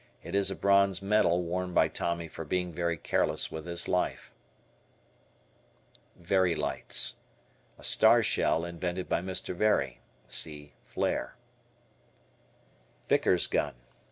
It is a bronze medal won by Tommy for being very careless with his life. Very Lights. A star shell invented by Mr. Very. See Flare. Vickers Gun.